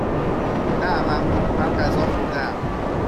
نه ممنون، من غذا خوردهام.